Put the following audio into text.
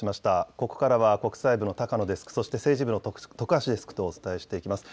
ここからは、国際部の高野デスク、そして政治部の徳橋デスクとお伝えしていきます。